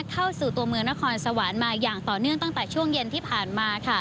เข้าสู่ตัวเมืองนครสวรรค์มาอย่างต่อเนื่องตั้งแต่ช่วงเย็นที่ผ่านมา